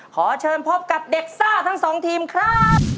ขอเชิญพบกับเด็กซ่าทั้งสองทีมครับ